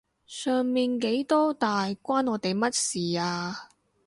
上面幾多大關我哋乜事啊？